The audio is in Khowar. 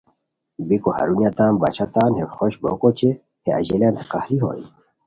بیکو ہرونیہ تان باچھا تان ہے خوش بوکو اوچے ہے اژیلیانتے قہری ہوئے